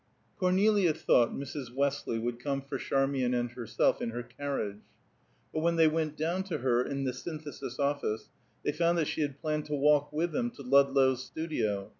Cornelia thought Mrs. Westley would come for Charmian and herself in her carriage; but when they went down to her in the Synthesis office, they found that she had planned to walk with them to Ludlow's studio.